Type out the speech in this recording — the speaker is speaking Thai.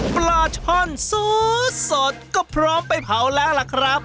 ปลาช่อนสูตรสดก็พร้อมไปเผาแล้วล่ะครับ